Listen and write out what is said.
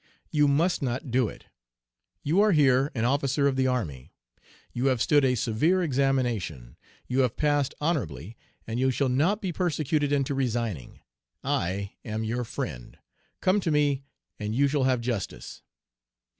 You must not do it. You are here an officer of the army. You have stood a severe examination. You have passed honorably and you shall not be persecuted into resigning. I am your friend. Come to me and you shall have justice.'